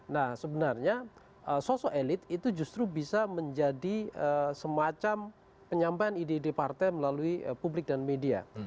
nah sebenarnya sosok elit itu justru bisa menjadi semacam penyampaian ide ide partai melalui publik dan media